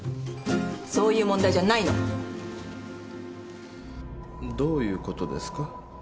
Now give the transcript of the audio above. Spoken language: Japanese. そういう問題じゃないの。どういうことですか？